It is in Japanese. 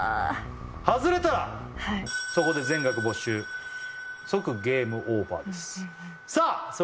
外れたらはいそこで全額没収即ゲームオーバーですうん